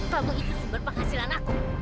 kamu itu sumber penghasilan aku